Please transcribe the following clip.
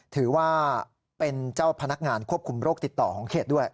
ถือว่าเป็นเจ้าพนักงานควบคุมโรคติดต่อของเขตด้วย